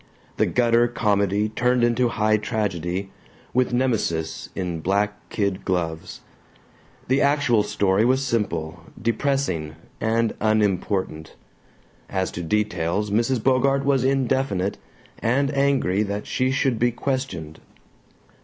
The gutter comedy turned into high tragedy, with Nemesis in black kid gloves. The actual story was simple, depressing, and unimportant. As to details Mrs. Bogart was indefinite, and angry that she should be questioned.